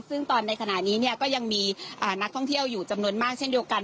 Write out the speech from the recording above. ซึ่งตอนในขณะนี้เนี่ยก็ยังมีนักท่องเที่ยวอยู่จำนวนมากเช่นเดียวกัน